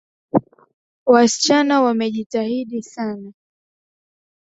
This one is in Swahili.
Wasichana wamejitahidi sana.